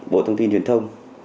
bộ thông tin truyền thông